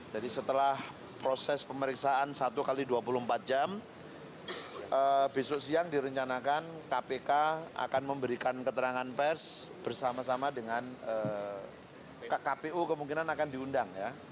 jadi setelah proses pemeriksaan satu x dua puluh empat jam besok siang direncanakan kpk akan memberikan keterangan pers bersama sama dengan kpu kemungkinan akan diundang ya